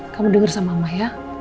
kamu denger sama emak ya